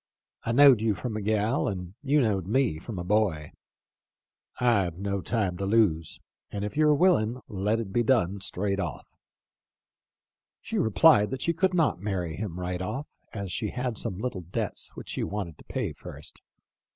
I knowed you from a gal and you knowed me from a boy. I've no time to lose ; and if you're willin' let it be done straight off.' She replied that she could not marry him right off, as she had some little debts which she wanted to pay first.